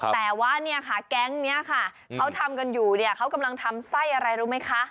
แต่ว่าเนี่ยค่ะแก๊งนี้ค่ะเขาทำกันอยู่เนี่ยเขากำลังทำไส้อะไรรู้ไหมคะ